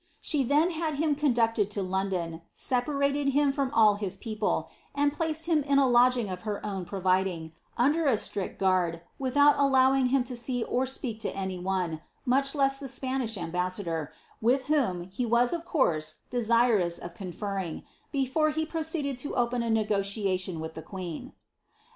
She then had him conducted to London, separated him from all his people, and placed him in a lodging of her ovn providing, under a strict guard, without allowing him to see or speak to any one, much less the Spanish ambassador, with whom he vu of course desirous of conferring, before he proceeded to open a ne gotiation with the queen.